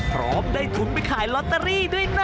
พร้อมได้ทุนไปขายลอตเตอรี่ด้วยนะ